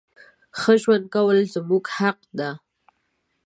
ښه ژوند کول زموږ حق ده.